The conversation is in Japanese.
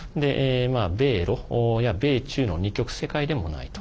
米ロや米中の二極世界でもないと。